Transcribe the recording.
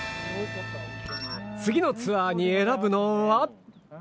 次のツアーに選ぶのは？